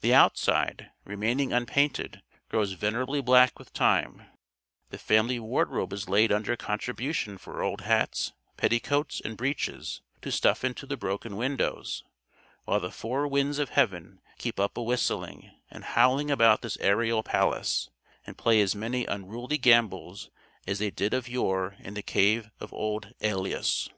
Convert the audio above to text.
The outside, remaining unpainted, grows venerably black with time; the family wardrobe is laid under contribution for old hats, petticoats, and breeches, to stuff into the broken windows, while the four winds of heaven keep up a whistling and howling about this aerial palace, and play as many unruly gambols as they did of yore in the cave of old Æolius.